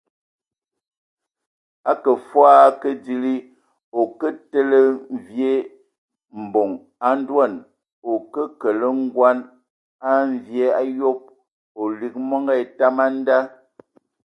Akə fɔɔ o akə dili,o kə tele mvie mbɔn a ndoan, o ke kele ngoan a mvie a yob, o lig mɔngɔ etam a nda !